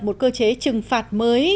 một cơ chế trừng phạt mới